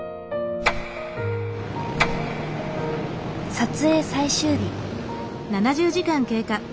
撮影最終日。